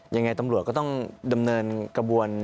ยังไงตำรวจก็ต้องดำเนินกระบวน